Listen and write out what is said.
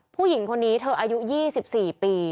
ผู้หญิงคนนี้เธออายุ๒๔ปี